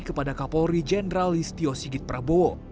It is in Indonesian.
kepada kapolri jenderal listio sigit prabowo